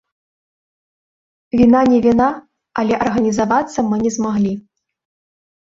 Віна не віна, але арганізавацца мы не змаглі.